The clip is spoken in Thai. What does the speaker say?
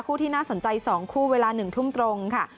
ที่น่าสนใจ๒คู่เวลา๑ทุ่มตรงค่ะ